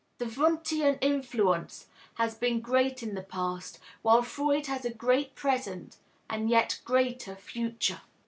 The Wundtian influence has been great in the past, while Freud has a great present and a yet greater future.